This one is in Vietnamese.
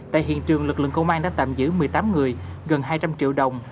tại hiện trường lực lượng công an đã tạm giữ một mươi tám người gần hai trăm linh triệu đồng